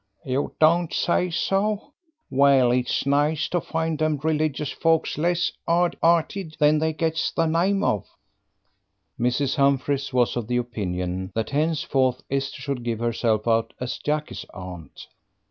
"You don't say so! Well, it is nice to find them religious folks less 'ard 'earted than they gets the name of." Mrs. Humphries was of the opinion that henceforth Esther should give herself out as Jackie's aunt.